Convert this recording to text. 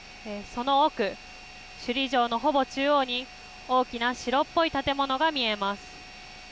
その奥、首里城のほぼ中央に、大きな白っぽい建物が見えます。